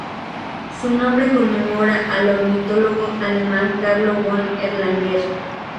Su nombre conmemora al ornitólogo alemán Carlo von Erlanger.